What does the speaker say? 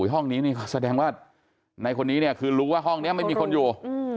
ห้องนี้นี่แสดงว่าในคนนี้เนี่ยคือรู้ว่าห้องนี้ไม่มีคนอยู่